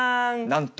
なんと！